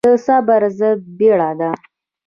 د صبر ضد بيړه ده.